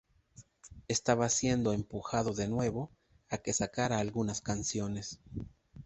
Estaba siendo empujado de nuevo a que sacara algunas canciones.